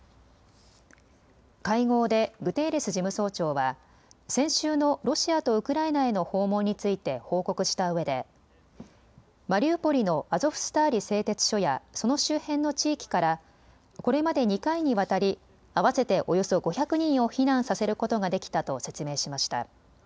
会合でグテーレス事務総長は先週のロシアとウクライナへの訪問について報告したうえでマリウポリのアゾフスターリ製鉄所やその周辺の地域からこれまで２回にわたり合わせておよそ５００人を避難させることができたと説明しました。